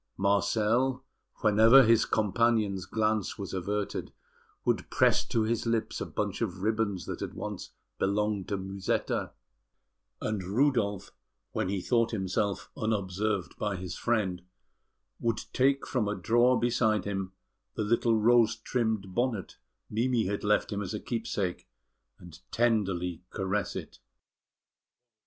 Marcel, whenever his companion's glance was averted, would press to his lips a bunch of ribbons that had once belonged to Musetta; and Rudolf, when he thought himself unobserved by his friend, would take from a drawer beside him the little rose trimmed bonnet Mimi had left him as a keepsake, and tenderly caress it.